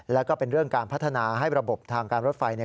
แล้วก็เป็นเรื่องการพัฒนาให้ระบบทางการรถไฟเนี่ย